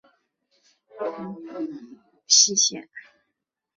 治所即今湖南泸溪县。